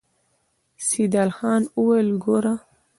سيدال خان وويل: ګوره!